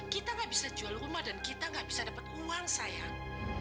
kita gak bisa jual rumah dan kita gak bisa dapat uang sayang